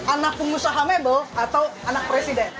anak pengusaha mebel atau anak presiden